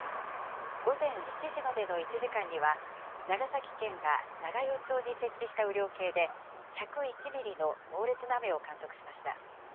午前７時までの１時間には、長崎県が長与町に設置した雨量計で、１０１ミリの猛烈な雨を観測しました。